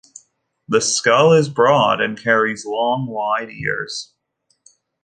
The skull is broad, and carries long, wide ears.